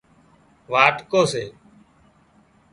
وٽلُو سي